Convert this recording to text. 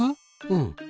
うん。